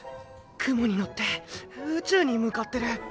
雲に乗って宇宙に向かってる。